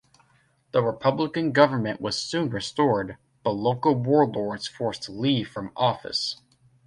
The Republican government was soon restored, but local warlords forced Li from office.